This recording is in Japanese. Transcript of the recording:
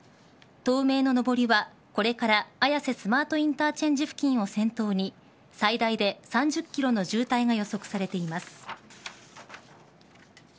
東名の上りはこれから綾瀬スマートインターチェンジ付近を中心に最大で３０ｋｍの渋滞が予測されています。